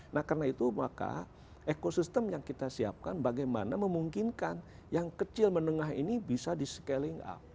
nah karena itu maka ekosistem yang kita siapkan bagaimana memungkinkan yang kecil menengah ini bisa di scaling up